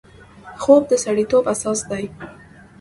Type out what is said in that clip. خوب د سړیتوب اساس دی